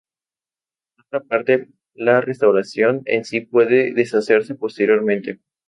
Por otra parte, la restauración en sí puede deshacerse posteriormente.